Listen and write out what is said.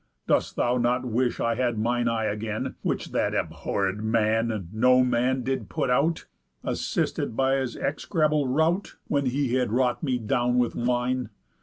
Dost thou not wish I had mine eye again, Which that abhorr'd man No Man did put out, Assisted by his execrable rout, When he had wrought me down with wine?